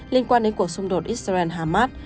liên quan đến cuộc xung đột israel harmat